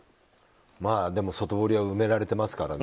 外堀は埋められてますからね。